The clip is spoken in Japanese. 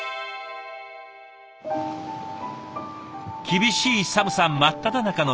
厳しい寒さ真っただ中の２月。